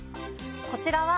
こちらは。